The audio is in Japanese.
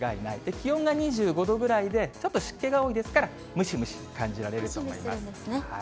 気温が２５度ぐらいで、ちょっと湿気が多いですから、ムシムシ感じられると思います。